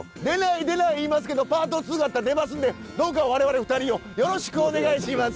出ない出ない言いますけどパート２があったら出ますんでどうか我々２人をよろしくお願いします。